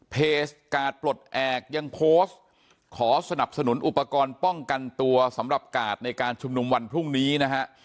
เพจกาดปลดแอบยังโพสต์ขอสนับสนุนอุปกรณ์ป้องกันตัวสำหรับกาดในการชุมนุมวันพรุ่งนี้นะฮะ